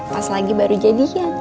pas lagi baru jadian